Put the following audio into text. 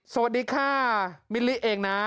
สวัสดีค่ะมิลลิเองนะ